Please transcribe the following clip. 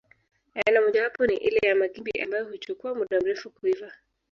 Aina mojawapo ni ile ya magimbi ambayo huchukua muda mrefu kuiva